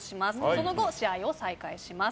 その後、試合を再開します。